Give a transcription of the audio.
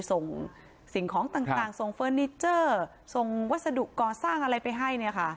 ส่งสิ่งของต่างส่งเฟอร์นิเจอร์ส่งวัสดุก่อสร้างอะไรไปให้